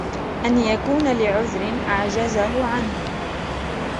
أَنْ يَكُونَ لِعُذْرٍ أَعْجَزَهُ عَنْهُ